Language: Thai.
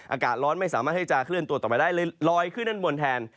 อากาศร้อนไม่สามารถให้จะเคลื่อนตัวต่อไปได้เลยลอยขึ้นด้านบนแทน